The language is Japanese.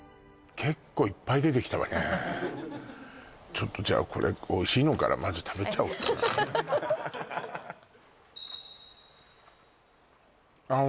結構いっぱい出てきたわねちょっとじゃあこれおいしいのからまず食べちゃおうああ